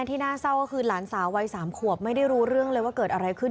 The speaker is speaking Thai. ที่น่าเศร้าก็คือหลานสาววัย๓ขวบไม่ได้รู้เรื่องเลยว่าเกิดอะไรขึ้น